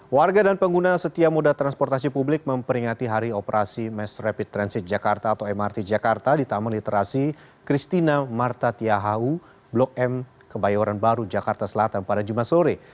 warga dan pengguna setia moda transportasi publik memperingati hari operasi mass rapid transit jakarta atau mrt jakarta di taman literasi christina marta tiahau blok m kebayoran baru jakarta selatan pada jumat sore